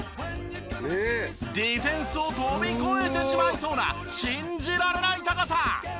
ディフェンスを飛び越えてしまいそうな信じられない高さ。